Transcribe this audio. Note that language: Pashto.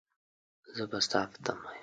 زه به ستا په تمه يم.